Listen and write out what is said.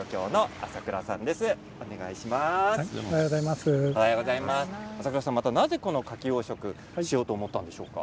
浅倉さん、なぜカキ養殖をしようと思ったんでしょうか。